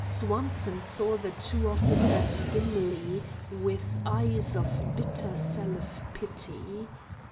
Swanson saw the two officers dimly, with eyes of bitter self pity.